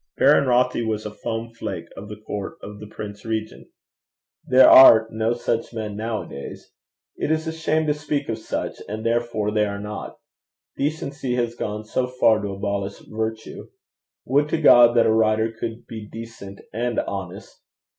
Baron Rothie was a foam flake of the court of the Prince Regent. There are no such men now a days! It is a shame to speak of such, and therefore they are not! Decency has gone so far to abolish virtue. Would to God that a writer could be decent and honest!